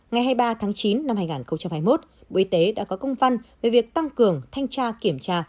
ngày hai mươi ba tháng chín năm hai nghìn hai mươi một bộ y tế đã có công văn về việc tăng cường thanh tra kiểm tra